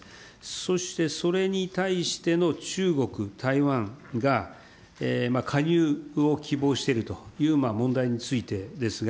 そしてそれに対しての中国、台湾が加入を希望しているという問題についてですが、